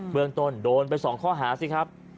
เมืองต้นโดนไป๒ข้อหาสิครับ